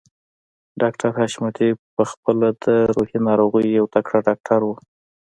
ډاکټر حشمتي په خپله د روحي ناروغيو يو تکړه ډاکټر و.